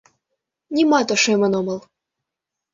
— Нимат ошемын омыл.